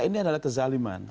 ini adalah kezaliman